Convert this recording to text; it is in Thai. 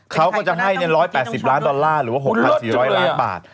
เขาก็จะให้๑๘๐ล้านดอลลาร์หรือว่า๖๔๐๐ล้านบาท